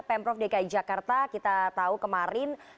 pemprov dki jakarta kita tahu kemarin